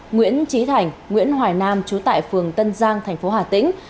nguyễn trí thành nguyễn hoài nam trú tại phường tân giang thành phố hà tĩnh